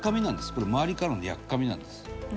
これ周りからのやっかみなんです。